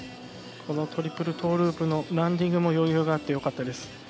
このトリプルトウループのランディングも余裕があって良かったです。